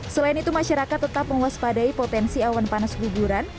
selain itu masyarakat tetap mewaspadai potensi awan panas guguran